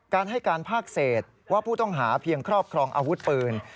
การให้การภาคเศษว่าผู้ต้องหาเพียงครอบครองอาวุธปืน